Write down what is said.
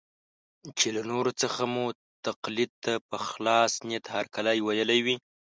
چې له نورو څخه مو تقلید ته په خلاص نیت هرکلی ویلی وي.